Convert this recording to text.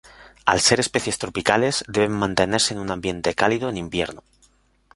Al ser especies tropicales, deben mantenerse en un ambiente cálido en invierno.